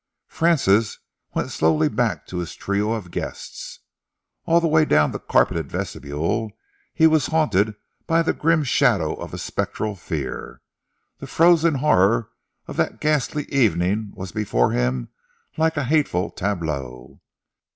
Francis went slowly back to his trio of guests. All the way down the carpeted vestibule he was haunted by the grim shadow of a spectral fear. The frozen horror of that ghastly evening was before him like a hateful tableau.